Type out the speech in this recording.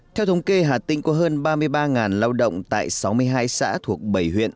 theo thống kê hà tĩnh có hơn ba mươi ba lao động tại sáu mươi hai xã thuộc bảy huyện